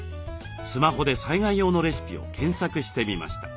スマホで災害用のレシピを検索してみました。